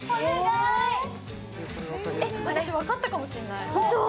私、分かったかもしれない。